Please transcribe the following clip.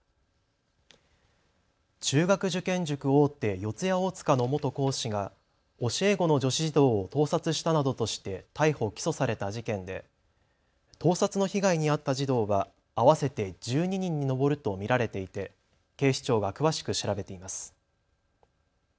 中学受験塾大手、四谷大塚の元講師が教え子の女子児童を盗撮したなどとして逮捕・起訴された事件で盗撮の被害に遭った児童は合わせて１２人に上ると見られていて警視庁が詳しく調べています。